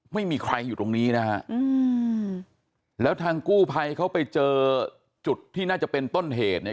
ไม่มีใครอยู่ตรงนี้นะฮะอืมแล้วทางกู้ภัยเขาไปเจอจุดที่น่าจะเป็นต้นเหตุเนี่ย